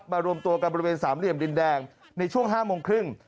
รวมตัวกันบริเวณสามเหลี่ยมดินแดงในช่วง๕โมงครึ่ง